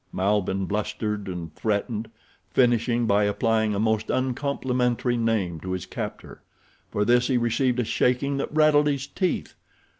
Malbihn blustered and threatened, finishing by applying a most uncomplimentary name to his captor. For this he received a shaking that rattled his teeth.